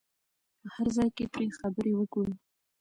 په هر ځای کې پرې خبرې وکړو.